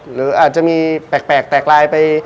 หรืออาจจะมีแปลกแตกลายไป